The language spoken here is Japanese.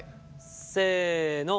せの！